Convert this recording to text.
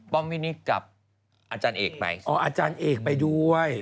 อมมินิกกับอาจารย์เอกไปอ๋ออาจารย์เอกไปด้วย